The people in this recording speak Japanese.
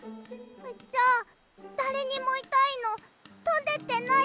じゃあだれにもいたいのとんでってない？